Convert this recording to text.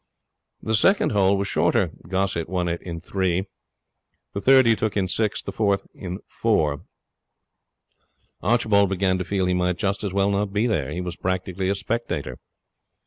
The second hole was shorter. Gossett won it in three. The third he took in six, the fourth in four. Archibald began to feel that he might just as well not be there. He was practically a spectator.